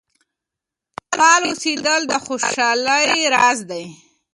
فعال اوسیدل د خوشحالۍ راز دی.